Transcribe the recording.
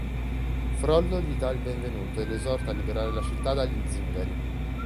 Frollo gli dà il benvenuto e lo esorta a liberare la città dagli zingari.